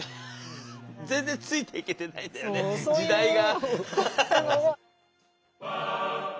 全然ついていけてないんだよね時代が。